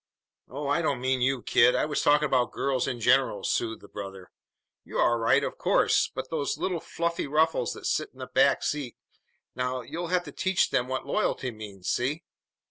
"Oh, I didn't mean you, kid; I was talking about girls in general," soothed the brother. "You're all right, of course. But those little fluffy ruffles that sat in the back seat, now, you'll have to teach them what loyalty means. See?"